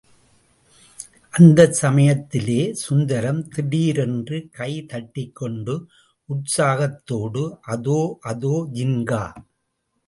அந்தச் சமயத்திலே சுந்தரம் திடீரென்று கை தட்டிக்கொண்டு உற்சாகத்தோடு, அதோ, அதோ ஜின்கா!